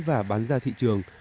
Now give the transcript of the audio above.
và bán ra thị trường